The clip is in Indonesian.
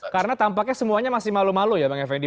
karena tampaknya semuanya masih malu malu ya bang effendi